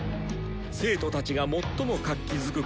生徒たちが最も活気づく